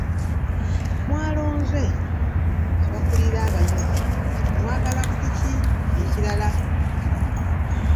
Mwalonze abakulira abayizi kati mwagala ki ekirala?